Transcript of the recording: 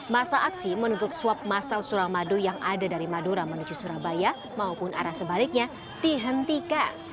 masa aksi menuntut swab masal suramadu yang ada dari madura menuju surabaya maupun arah sebaliknya dihentikan